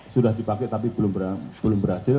sudah dipakai tapi belum berhasil